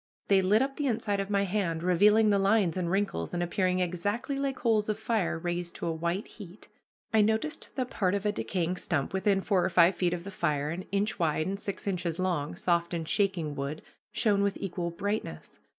They lit up the inside of my hand, revealing the lines and wrinkles, and appearing exactly like coals of fire raised to a white heat. I noticed that part of a decayed stump within four or five feet of the fire, an inch wide and six inches long, soft and shaking wood, shone with equal brightness.